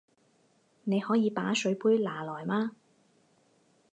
你可以把水杯拿来吗？